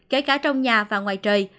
kể cả trong nhà và ngoài trời